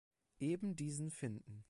Eben diesen finden.